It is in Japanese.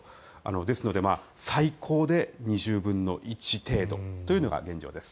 ですので、最高で２０分の１程度というのが現状です。